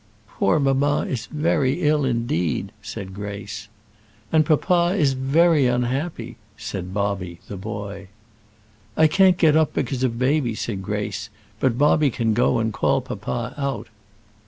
"Poor mamma is very ill, indeed," said Grace. "And papa is very unhappy," said Bobby, the boy. "I can't get up because of baby," said Grace; "but Bobby can go and call papa out."